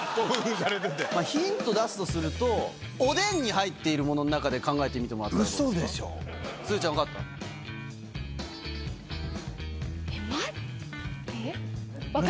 ヒント出すとすると、おでんに入ってるものの中で考えてみてもらったらどうですか。